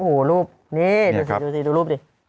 โอ้โหรูปนี่ดูสิดูสิดูรูปดิ